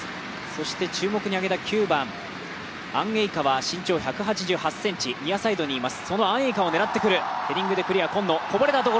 そして注目の９番、アン・エイカは身長１８８ｃｍニアサイドにいます。